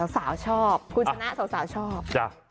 ชอบคุณชนะสาวชอบ